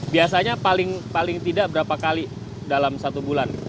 biasanya paling tidak berapa kali dalam satu bulan